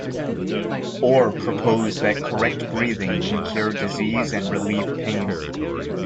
Orr proposed that correct breathing can cure disease and relieve pain.